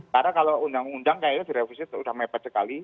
karena kalau undang undang kayaknya direvisi itu udah mepet sekali